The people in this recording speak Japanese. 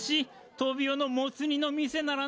トビオのモツ煮の店ならね